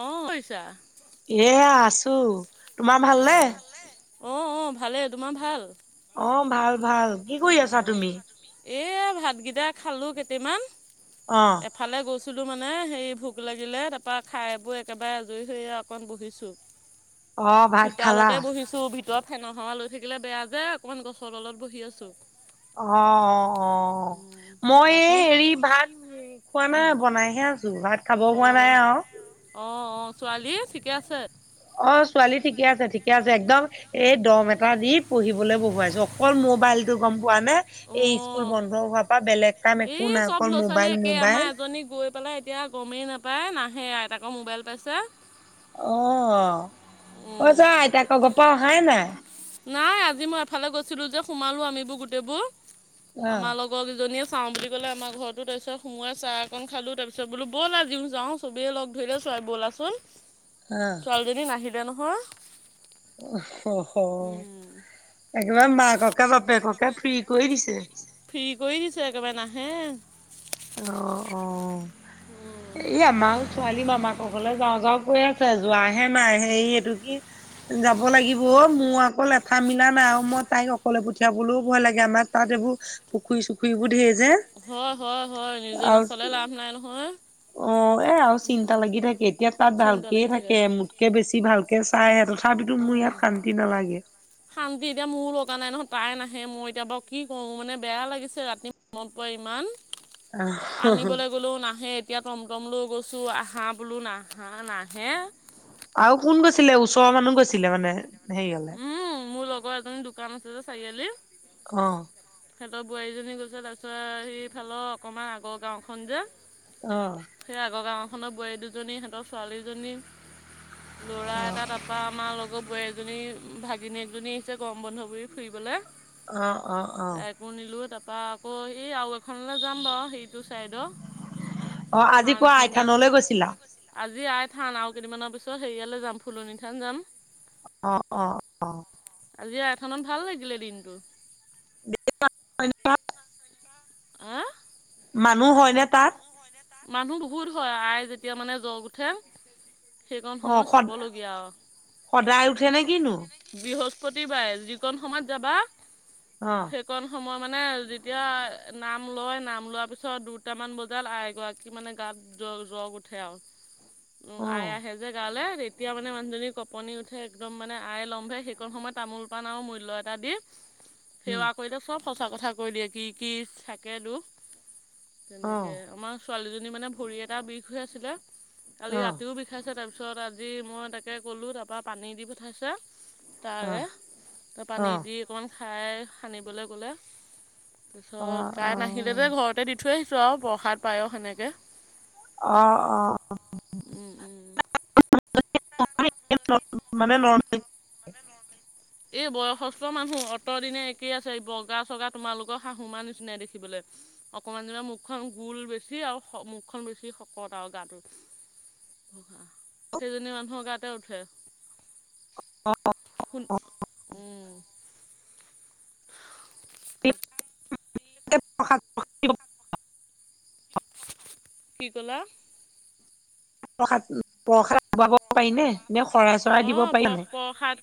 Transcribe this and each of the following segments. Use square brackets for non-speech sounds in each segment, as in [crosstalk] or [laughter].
অ কি কৰিছা এয়া আছো, তোমাৰ ভালনে? অঁ অঁ ভালেই তোমাৰ ভাল? অ ভাল ভাল! কি কৰি আছা তুমি? এই ভাতকেইটা খালোঁ কেইটামান। অ! এফালে গৈছিলোঁ মানে হেৰি ভোক লাগিলে তাৰপৰা খাইবৈ একেবাৰে আজৰি হৈৰি আও অকণমান বহিছোঁ। একো শব্দ নাই। [unintelligible] চোতালতে বহিছোঁ, ভিতৰত ফেনৰ হাৱা লৈ থাকিলে বেয়া যে, অকন গছৰ তলত বহি আছো। অঁ অঁ অঁ মই এই বাকী হেৰি ভাত খোৱা নাই, বনাইহে আছো। [inaudible] নাই অঁ আৰু অঁ অঁ ছোৱালী ঠিকে আছে? অ ছোৱালী ঠিকে আছে! ঠিকে আছে! একদম এই দম এটা দি পঢ়িবলৈ বহুৱাইছো অকল মোবাইল! গম পোৱা নে? এই স্কুল অ', বন্ধ হোৱাৰ পৰা বেলেগ! কাম একো এই নাই চব অকল ল'ৰা ছোৱালী মোবাইল একে মোবাইল আমাৰ এজনী গৈ পেলাই! এতিয়া গমেই নাপায় নাহে আইতাকৰ মোবাইল পাইছে! অঁ উম, কৈছা, আইতাকৰ ঘৰত তই আহাই নাই। নাই আজি মই এফালে গৈছিলোঁ যে, সোমালো আমিবোৰ গোটেইবোৰ অ আমাৰ লগত! লগৰকিজনীয়ে চাওঁ বুলি কলে আমাৰ ঘৰতো, তাৰ পিছত সোমোৱাই চাহ অকন খালো, তাৰ পিছত বোলো বল আমিও যাওঁ! চবেই লগ ধৰিলে, চোৱাই ব'লাচোন। অহ এদিন আহিলে নহয়। উম একেবাৰে মাককে, বাপেককে ফ্ৰী কৰি দিছে। ফ্ৰী কৰি দিছে একেবাৰে, নাহে। অ', অ' এই আমাও ছোৱালী মামাকৰ ঘৰলে যাওঁ যাওঁ কৈ [unintelligible] ছে যোৱাহে নাই, সেই এইটো কি যাব লাগিব অ', মোৰ আকৌ লেঠা মিলা নাই আৰু মই তাইক অকলে পঠিয়াবলৈও ভয় লাগে, আমা তাত এইবোৰ পুখুৰী চুখুৰীবোৰ ধেই যে। হয়, হয়, হয়, নিজে আৰু নাচলে লাভ নাই নহয়। অ' এ, আউ চিন্তা লাগি থাকে। এতিয়া তাত চিন্তা ভালকে লাগি থাকে, মোতকে বেছি ভাল তে চাই আহে তথাপিতো মোৰ উম ইয়াত শান্তি নালাগে। শান্তি এতিয়া মোৰো লগা নাই নহয়। তাই নাহে, মই এতিয়া বাউ কি কৰোঁ মানে বেয়া লাগিছে ৰাতি মনত পৰে ইমান, আনিবলৈ গ'লেও নাহে। এতিয়া টমটম লৈ গৈছোঁ, আহাঁ বোলো নাহা নাহে। আৰু কোন গৈছিলে, ওচৰৰ মানুহ গৈছিলে মানে হেৰিঅল। উম, মোৰ লগৰ এজনী দোকান আছে যে চাৰিআলি। অ'। সিহঁতৰ বোৱাৰীজনী গৈছে তাৰপিছত সেইফালৰ অকণমান আগৰ গাঁৱখন যে অ'। সেই আগৰ গাঁওখনৰ বোৱাৰী দুজনী, সিহঁতৰ ছোৱালীজনী, ল'ৰা অ'। এটা তাত বা আমাৰ লগৰ বোৱাৰী এজনী, ভাগিনী এজনী আহিছে গৰম বন্ধ বুলি ফুৰিবলে। অ', অ', অ'। পোৰ নিলোঁ তাৰপা আকৌ এই আৰু এখনলৈ যাম বাৰু সেইটো ছাইডৰ। অ' আজি পুৱা আইথানলৈ গৈছিলা? আজি আইথান আৰু কেইদিনমানৰ পিছত হেৰিয়ালৈ যাম, ফুলনিথান যাম। অ', অ', অ'। আজি আইথানত ভাল লাগিলে দিনটো। [unintelligible] আ? মানুহ হয়নে তাত? মানুহ বহুত হয়, আই যেতিয়া মানে জ্বৰ উঠে। সেইকণ অ সময় সদ চাবলগীয়া আৰু। সদায় উঠে নে কিনো বৃহস্পতিবাৰে যিকণ সময়ত যাবা অ'। সেইকণ সময় মানে যেতিয়া নাম লয় নাম লোৱাৰ পিছত দুটামান বজাত আইগৰাকী কি মানে গাত জ-জ্বৰ উঠে আৰু। অ আই আহে যে গাঁৱলে তেতিয়া মানে মানুহজনী কপনি উঠে, একদম মানে আয় লম্ভে, সেইকণ সময়ত তামোল পান আৰু মূল্য এটা দি উম সেৱা কৰিলে চব সচা কথা কৈ দিয়ে, কি কি থাকে দুখ অ তেনেকে। আমাৰ ছোৱালীজনীৰ মানে ভৰি এটা বিষ হৈ আছিলে, কালি অ অ ৰাতিও বিষ ঠাইছে তাৰপিছত আজি মই তাকে ক'লোঁ, তাৰপা পানী দি পঠাইছে। তাৰে অ পানী দি অকণ খাই সানিবলে গ'লে অ তাৰপিছত তাই নাহিলে যে ঘৰতে দি থৈ আহিছোঁ আৰু প্ৰসাদ পায়স সেনেকে। অ অ। [unintelligible] এই বয়সস্থ মানুহ অতৰ দিনে একেই আছে বগা চগা তোমালোকৰ শাহু মাৰ নিচিনাই দেখিবলে। অকমান জনিও মুখখন গোল বেছি আৰু মুখখন বেছি শকত আৰু গাটো [inaudible] সেইজনী মানুহৰ গাতে উঠে সোণ উম অ তাৰ [unintelligible] কি কলা? প্ৰসাদ প্ৰসাদ পাব পাৰি নে, নে শৰাই চৰাই দিব পাৰি মানে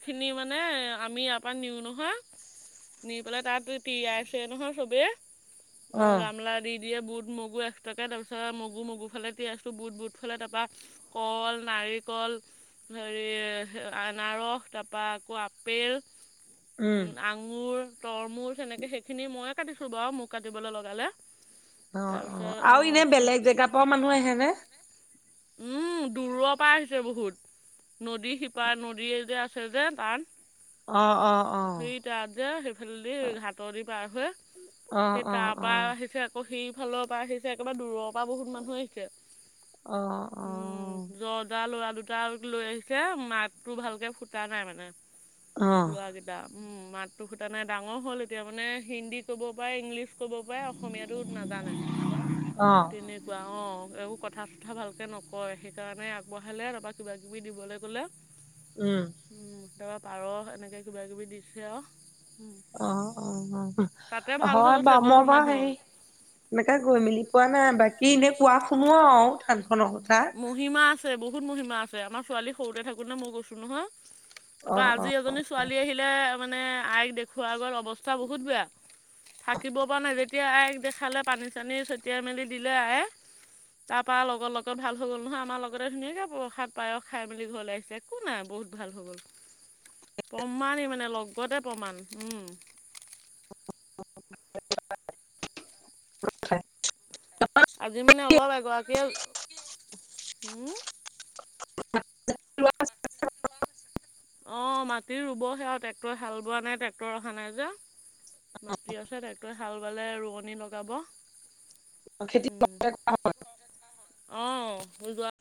খিনি মানে আমি ইয়াপৰা নিওঁ নহয় নি পেলাই তাত তিয়াইছে নহয় চবে অ গামলা দি দিয়ে বুট, মগ মগু এচটাকে তাৰপিছত মগু মগু ফালে দি আছোঁ বুট বুটফালে তাপা কল, নাৰিকল হেৰি আনাৰস, তাপা আকৌ আপেল, উম আ ঙুৰ, তৰমুচ এনেকে সেইখিনি ময়ে কাটিছো বাৱ মোক কাটিবলে লগালে অ অ তাৰপিছত আৰু অঁ এনেই বেলেগ জেগা পাওঁ মানুহ আহে নে? উম দূৰৰ পৰা আহিছে বহুত নদী শিপা নদীয়ে যে আছে যে তাত অ অ অ সেই তাত যে সেইফালেদি ঘাটৰ দি পাৰ হৈ অ অ সেই অ তাৰপৰা আহিছে সি ফালৰ পৰা আহিছে একেবাৰে দূৰপা বহুত মানুহ আহিছে অ অ উম জৰ্দাৰ লৰা দুটা লৈ আহিছে মাতটো ভালকে ফুটা নাই মানে অ লয়া গেতি উম মাতটো ফুটা নাই ডাঙৰ হ'ল এতিয়া মানে হিন্দী ক'ব পাৰে, ইংলিছ ক'ব পাৰে অসমীয়াতো না জানে অ', তেনেকুৱা অ এইবোৰ কথা-চথা ভালকে নকয় সেইকাৰণে আগবঢ়ালে তাৰপৰা কিবা কিবি দিবলৈ গলে উম উম তই পাৰ এনেকে কিবা কিবি দিছে আৱ অ তাতে অ ভাল হৈ হয় গৈছে বাঅ মই বহুত বাঅ মানুহৰ হেই এনেকা গৈ মেলি পোৱা নাই বাকী এনেই কোৱা শুনো আৰু থান খনৰ কথা মহিমা আছে বহুত মহিমা আছে আমাৰ ছোৱালী সৰুতে থাকোতে মই গৈছো নহয় তাপা অ', আজি অ', এজনী ছোৱালী আহিলে মানে আইক দেখোৱা গ'ল অৱস্থা বহুত বেয়া থাকিব পৰা নাই যেতিয়া আইক দেখালে পানী -চানী ছটিয়াই মেলি দিলে আয়ে তাপা লগত লগ ভাল হৈ গল নহয় আমাৰ লগতে ধুনীয়াকে প্ৰসাদ, পায়স খাই মেলি ঘৰলে আহিছে একো নাই বহুত ভাল হৈ গল [inaudible] প্ৰমাণেই মানে লগতে প্ৰমাণ উম [unintelligible] আজি মানে অলপ এগৰাকীয়ে উম [unintelligible] অ মাটি ৰুব সে আৱ ট্ৰেক্টয়ে হাল বোৱা নাই ট্ৰেক্টৰ অহা নাই যে মাটি আছে টেক্টৰে হাল বোৱালে ৰোৱনি লগাব খেতি উম অহ যোৱা